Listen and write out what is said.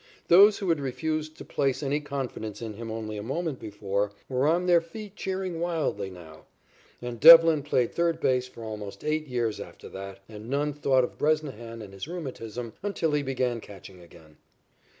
Those who had refused to place any confidence in him only a moment before, were on their feet cheering wildly now. And Devlin played third base for almost eight years after that, and none thought of Bresnahan and his rheumatism until he began catching again.